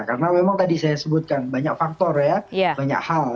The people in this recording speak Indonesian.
karena memang tadi saya sebutkan banyak faktor ya banyak hal